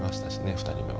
２人目は。